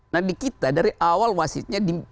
nah di kita dari awal wasitnya